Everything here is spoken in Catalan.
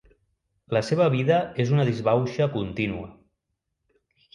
La seva vida és una disbauxa contínua.